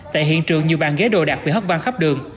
tại hiện trường nhiều bàn ghế đồ đặt bị hấp vang khắp đường